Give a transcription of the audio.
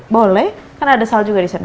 boleh kan ada sal juga di sana